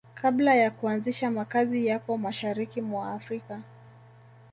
Kabla ya kuanzisha makazi yako Mashariki mwa Afrika